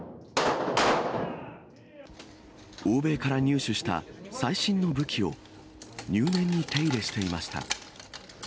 欧米から入手した最新の武器を、入念に手入れしていました。